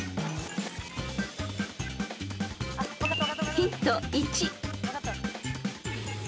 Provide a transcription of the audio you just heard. ［ヒント１］